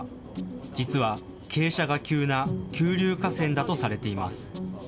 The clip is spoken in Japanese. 実は、傾斜が急な急流河川だとされています。